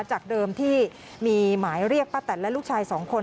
จากเดิมที่มีหมายเรียกป้าแตนและลูกชาย๒คน